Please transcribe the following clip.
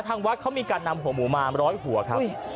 ทางวัดเขามีการนำหัวหมูมาร้อยหัวครับ